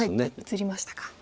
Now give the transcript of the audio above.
移りましたか。